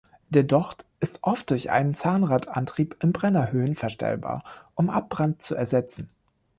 Der Docht ist oft durch einen Zahnradantrieb im Brenner höhenverstellbar um Abbrand zu ersetzen.